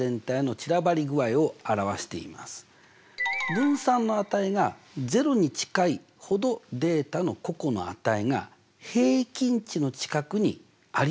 分散の値が０に近いほどデータの個々の値が平均値の近くにありますよと。